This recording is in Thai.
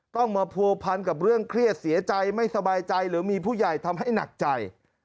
ต้องมาผัวพันกับเรื่องเครียดเสียใจไม่สบายใจหรือมีผู้ใหญ่ทำให้หนักใจ